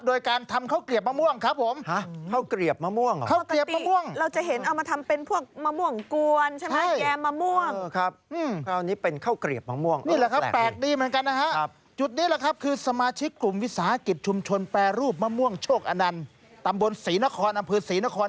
โดยการทำข้าวเกรียบมะม่วงครับผม